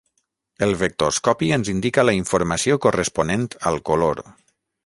El vectoscopi ens indica la informació corresponent al color.